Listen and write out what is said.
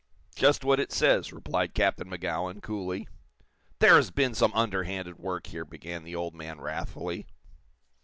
"Just what it says," replied Captain Magowan, coolly. "There has been some underhanded work here!" began the old man, wrathfully.